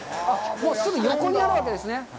すぐ横にあるわけですね。